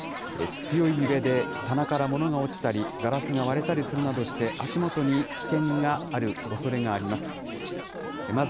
強い揺れで棚から物が落ちたり、ガラスが割れたりするなどして足元に危険があるおそれがあります。